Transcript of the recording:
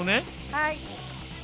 はい。